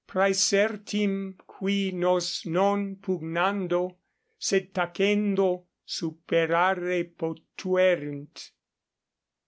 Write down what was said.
praesertim qui nos non pugnando, sed tacendo superare potuerint.